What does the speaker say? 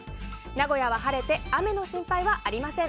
名古屋は晴れて雨の心配はありません。